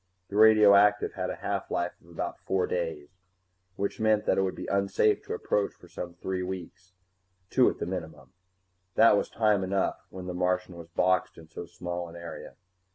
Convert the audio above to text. The radioactive had a half life of about four days, which meant that it would be unsafe to approach for some three weeks two at the minimum. That was time enough, when the Martian was boxed in so small an area.